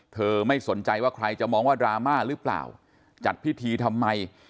ไม่สนใจว่าใครจะมองว่าดราม่าหรือเปล่าจัดพิธีทำไม